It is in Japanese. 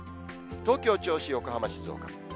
東京、銚子、横浜、静岡。